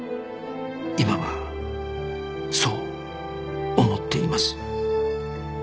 今はそう思っています